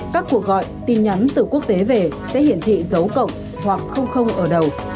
một các cuộc gọi tin nhắn từ quốc tế về sẽ hiển thị dấu cộng hoặc ở đầu